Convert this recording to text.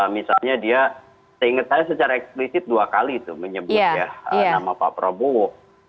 misalnya dia seingat saya secara eksplisit dua kali itu menyebut ya nama pak prabowo